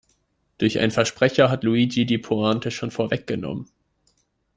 Durch einen Versprecher hat Luigi die Pointe schon vorweggenommen.